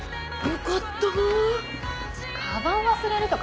よかった。